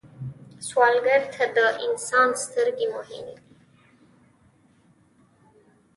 سوالګر ته د انسان سترګې مهمې دي